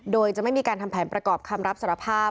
โดยจะไม่มีการทำแผนประกอบคำรับสารภาพ